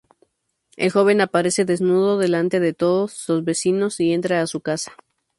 El joven aparece desnudo delante de todos los vecinos y entra a su casa.